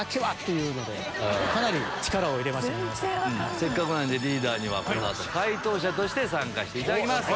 せっかくなんでリーダーにはこの後解答者として参加していただきます。